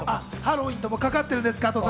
ハロウィーンともかかってるんです。